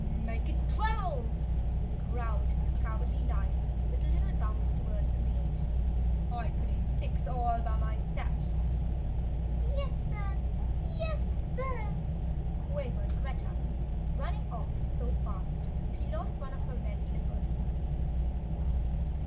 "Make it twelve!" growled the Cowardly Lion, with a little bounce toward the maid. "I could eat six all by myself!" "Yes Sirs! Yes Sirs!" quavered Greta, running off so fast she lost one of her red slippers.